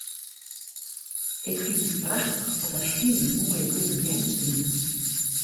Ik fyn it prachtich at der hele moaie grutte beammen steane.